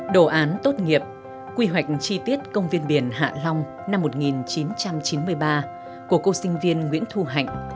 đồ án tốt nghiệp quy hoạch chi tiết công viên biển hạ long năm một nghìn chín trăm chín mươi ba của cô sinh viên nguyễn thu hạnh